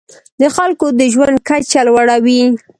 د خلکو د ژوند کچه لوړوي.